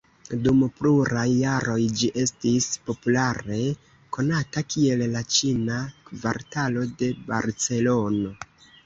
Dum pluraj jaroj ĝi estis populare konata kiel la Ĉina Kvartalo de Barcelono.